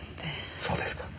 そうですか。